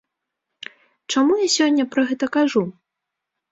Чаму я сёння пра гэта кажу?